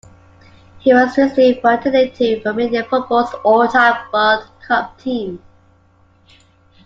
He was recently voted into Romanian footballs all-time World Cup team.